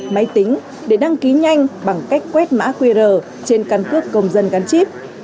máy tính để đăng ký nhanh bằng cách quét mã qr trên căn cước công dân gắn chip